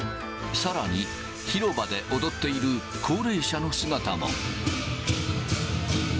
さらに、広場で踊っている高齢者の姿も。